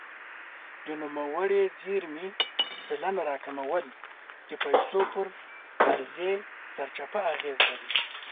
د نوموړې زیرمې سلنه راکمول د پیسو پر عرضې سرچپه اغېز لري.